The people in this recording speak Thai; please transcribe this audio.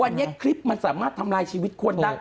วันนี้คลิปมันสามารถทำลายชีวิตคนได้